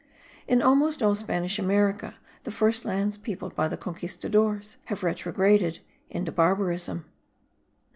In almost all Spanish America the first lands peopled by the Conquistadores, have retrograted into barbarism.